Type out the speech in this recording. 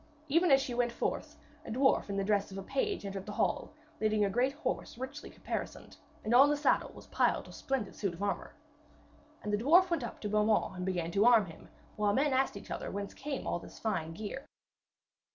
Even as she went forth, a dwarf in the dress of a page entered the hall leading a great horse richly caparisoned, and on the saddle was piled a splendid suit of armour. And the dwarf went up to Beaumains and began to arm him, while men asked each other whence came all this fine gear.